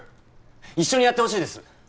一緒にやってほしいです